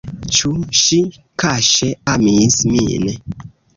Ĉu ŝi kaŝe amis min?